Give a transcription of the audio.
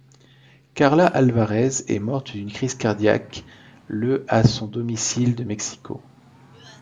Karla Álvarez est morte d'une crise cardiaque, le à son domicile de Mexico.